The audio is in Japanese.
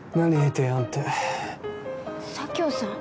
提案って佐京さん